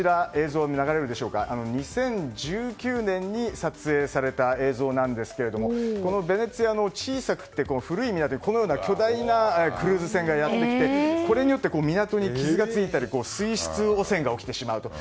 ２０１９年に撮影された映像なんですがベネチアの小さくて古い港に巨大なクルーズ船がやってきてこれによって、港に傷がついたり水質汚染が起きてしまうという。